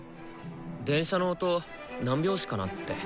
電車の音何拍子かなって。